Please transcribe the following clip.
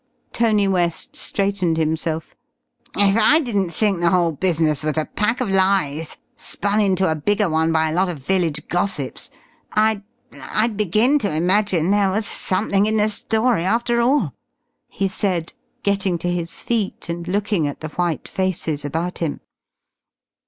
Tony West straightened himself. "If I didn't think the whole business was a pack of lies spun into a bigger one by a lot of village gossips, I'd I'd begin to imagine there was something in the story after all!" he said, getting to his feet and looking at the white faces about him.